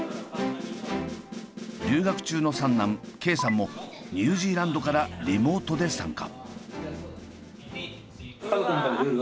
留学中の三男桂さんもニュージーランドからリモートで参加。